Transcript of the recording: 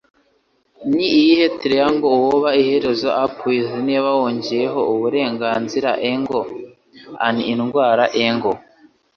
Ni iyihe Triangle Woba Iherezo Up With Niba wongeyeho Uburenganzira Angle An Indwara Angle